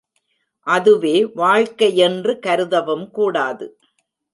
அதுவே வாழ்க்கை யென்று கருதவும் கூடாது.